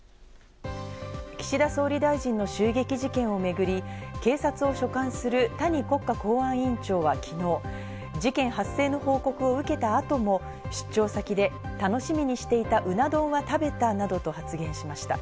岸田総理大臣の襲撃事件をめぐり、警察を所管する谷国家公安委員長は昨日、事件発生の報告を受けたあとも、出張先で楽しみにしていた、うな丼は食べたなどと発言しました。